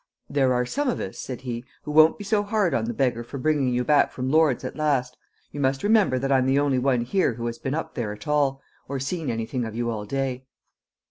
"There are some of us," said he, "who won't be so hard on the beggar for bringing you back from Lord's at last! You must remember that I'm the only one here who has been up there at all, or seen anything of you all day."